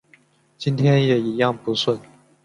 今天也一样不顺